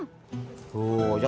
merteman dua u tuju